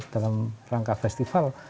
dalam rangka festival